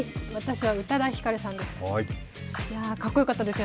宇多田ヒカルさんです。